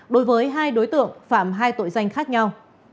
đối với hai đối tượng phạm hai tội danh khác nhau